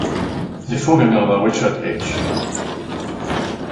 Der Vorgänger war Richard Ege.